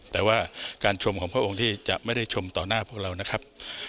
แต่ว่าการชมของพระองค์ที่จะไม่ได้ชมต่อหน้าพวกเรานะครับ